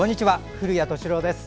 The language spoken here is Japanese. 古谷敏郎です。